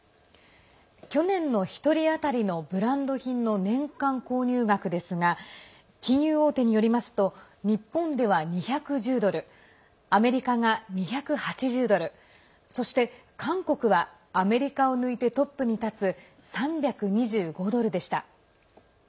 去年の１人当たりのブランド品の年間購入額ですが金融大手によりますと日本では２１０ドルアメリカが２８０ドルそして韓国はアメリカを抜いてトップに立つ３２５ドルでした。